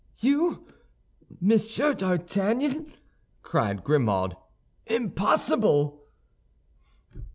"You, Monsieur d'Artagnan!" cried Grimaud, "impossible."